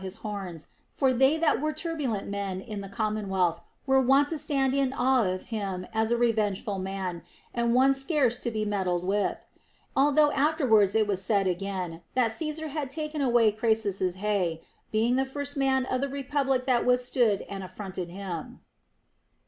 his horns, for they that were turbulent men in the common wealth were wont to stand in awe of him as a revengeful man and one scarce to be meddled with ; although after wards it was said again, that Caesar had taken away Cras sus's hay, being the first man of the republic that withstood and affronted him.